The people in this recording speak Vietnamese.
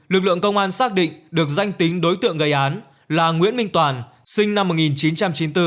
lực lượng công an xác định được danh tính đối tượng gây án là nguyễn minh toàn sinh năm một nghìn chín trăm chín mươi bốn